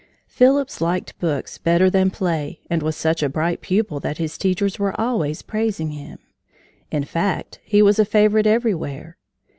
Phillips liked books better than play and was such a bright pupil that his teachers were always praising him. In fact, he was a favorite everywhere.